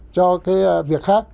cho cái việc khác